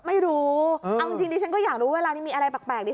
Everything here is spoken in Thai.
ไม่รู้เอาจริงดิฉันก็อยากรู้เวลานี้มีอะไรแปลกดี